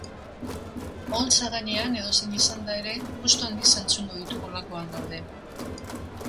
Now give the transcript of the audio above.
Oholtza gainean edozein izanda ere, gustu handiz entzungo ditugulakoan gaude.